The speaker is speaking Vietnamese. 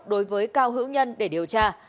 đối với cao hữu nhân để điều tra